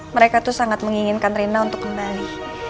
mereka tuh sangat menginginkan rina untuk kembali